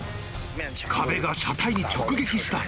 壁が車体に直撃した。